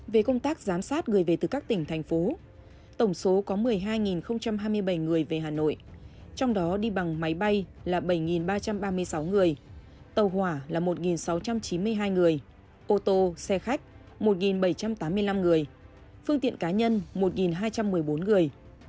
về công tác giám sát người về từ các tỉnh thành phố tổng số có một mươi hai hai mươi bảy người về hà nội trong đó đi bằng máy bay là bảy ba trăm ba mươi sáu người tàu hỏa là một sáu trăm chín mươi hai người ô tô xe khách một bảy trăm tám mươi năm người phương tiện cá nhân một hai trăm một mươi bốn người